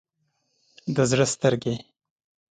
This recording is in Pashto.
د زړه سترګې